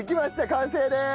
完成です！